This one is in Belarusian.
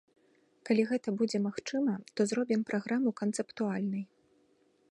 Калі гэта будзе магчыма, то зробім праграму канцэптуальнай.